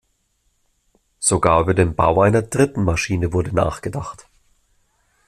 Sogar über den Bau einer dritten Maschine wurde nachgedacht.